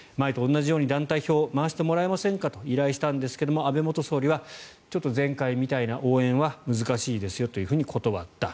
任期６年で宮島さんもう１回選挙安倍元総理に前と同じように団体票を回してもらえませんかと依頼したんですが、安倍元総理はちょっと前回みたいな応援は難しいですよと断った。